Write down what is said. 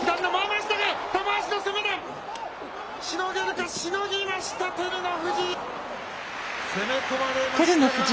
しのげるか、しのぎました、照ノ富士。